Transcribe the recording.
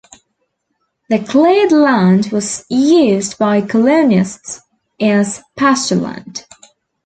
The cleared land was used by colonists as pastureland.